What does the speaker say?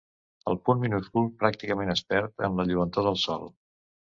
El punt minúscul pràcticament es perd en la lluentor del Sol.